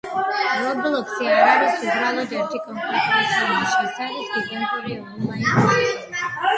Roblox არ არის უბრალოდ ერთი კონკრეტული თამაში — ეს არის გიგანტური ონლაინ პლატფორმა